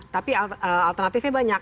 tapi alternatifnya banyak